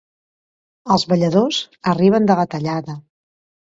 Els balladors arriben de la tallada.